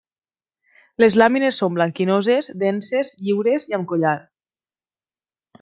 Les làmines són blanquinoses, denses, lliures i amb collar.